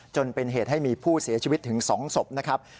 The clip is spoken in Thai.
จนเป็นเหตุให้มีผู้เสียชีวิตถึง๒ศพนะครับ